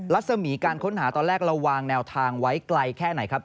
รัศมีการค้นหาตอนแรกเราวางแนวทางไว้ไกลแค่ไหนครับ